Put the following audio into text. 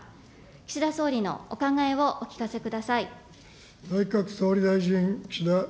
岸田総理のお考えをお聞かせください。